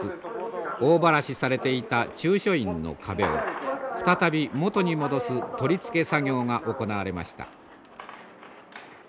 大ばらしされていた中書院の壁を再び元に戻すとりつけ作業が行われました。